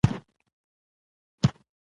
د طبیعت د ښکلا د ساتنې لپاره ځوانان هڅې کوي.